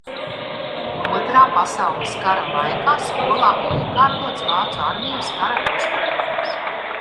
Otrā pasaules kara laikā skolā bija iekārtots vācu armijas kara hospitālis.